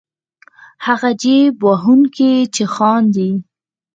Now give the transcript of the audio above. هغه جېب وهونکی چې خاندي.